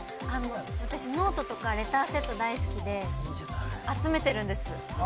ノートとかレターセットが大好きで集めてるんです。